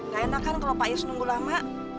gak enakan kalau pak yos nunggu lama